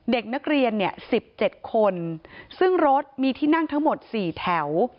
เด็กนักเรียนเนี่ย๑๗คนซึ่งรถมีที่นั่งทั้งหมด๔แถว